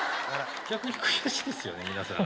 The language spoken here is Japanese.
逆に悔しいですよね、皆さん。